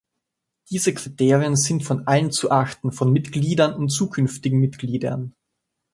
Diese Kriterien sind von allen zu achten von Mitgliedern und zukünftigen Mitgliedern.